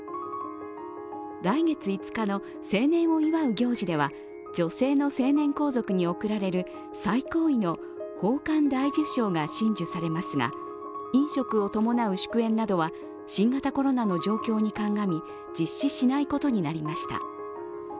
来月５日の成年を祝う行事では女性の成年皇族に贈られる最高位の宝冠大綬章が親授されますが、飲食を伴う祝宴などは新型コロナの状況にかんがみ実施しないことになりました。